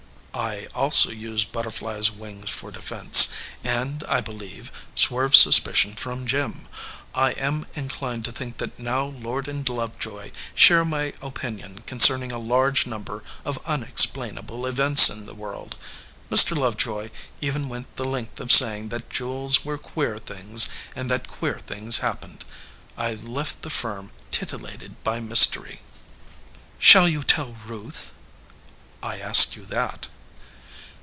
"I also used butterflies wings for defense, and, I believe, swerved suspicion from Jim. I am in clined to think that now Lord & Lovejoy share my opinion concerning a large number of unexplain able events in the world. Mr. Lovejoy even went 279 EDGEWATER PEOPLE the length of saying that jewels were queer things, and that queer things happened. I left the firm titillated by mystery." "Shall you tell Ruth?" "I ask you that."